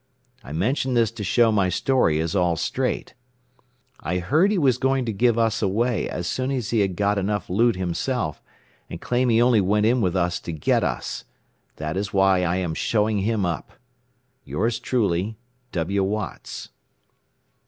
I mention this to show my story is all straight. "I heard he was going to give us away as soon as he had got enough loot himself, and claim he only went in with us to get us. That is why I am showing him up. "Yours truly, "W. Watts."